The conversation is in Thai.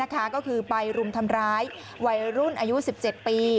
ก็คือไปรุมทำร้ายวัยรุ่นอายุ๑๗ปี